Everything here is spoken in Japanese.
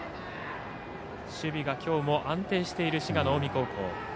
守備がきょうも安定している滋賀の近江高校。